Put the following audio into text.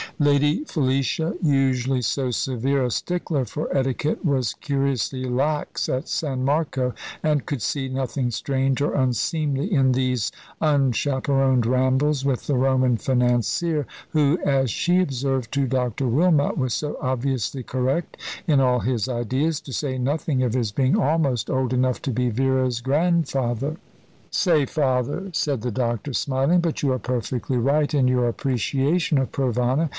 Lady Felicia, usually so severe a stickler for etiquette, was curiously lax at San Marco, and could see nothing strange or unseemly in these unchaperoned rambles with the Roman financier, who, as she observed to Dr. Wilmot, was so obviously correct in all his ideas, to say nothing of his being almost old enough to be Vera's grandfather. "Say father," said the doctor, smiling. "But you are perfectly right in your appreciation of Provana.